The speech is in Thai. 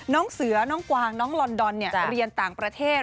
น้องเสือน้องกวางน้องลอนดอนเรียนต่างประเทศ